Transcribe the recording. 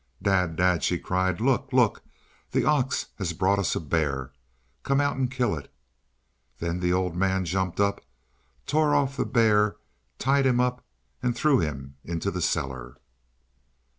"Dad, dad," she cried, "look, look! The ox has brought us a bear. Come out and kill it!" Then the old man jumped up, tore off the bear, tied him up, and threw him in the cellar.